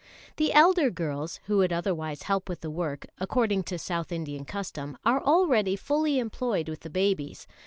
The elder girls, who would otherwise help with the work, according to South Indian custom, are already fully employed with the babies.